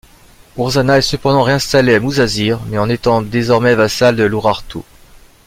Urzana est cependant réinstallé à Musasir, mais en étant désormais vassal de l'Urartu.